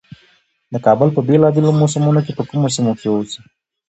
د کال په بېلا بېلو موسمونو کې په کومو سيمو کښې اوسي،